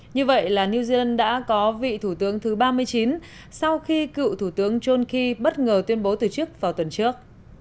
như vậy là new zealand đã có vị thủ tướng thứ ba mươi chín sau khi cựu thủ tướng johnki bất ngờ tuyên bố từ chức vào tuần trước